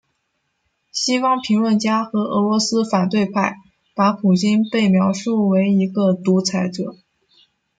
西方评论家和俄罗斯反对派把普京被描述为一个独裁者。